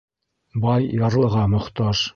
Бай ярлыға мохтаж